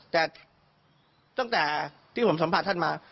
แต่ต้องแต่ที่ผมสัมภาษณ์ท่านมา